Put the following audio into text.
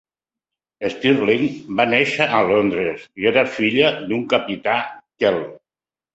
Stirling va néixer a Londres i era filla d'un capità Kehl.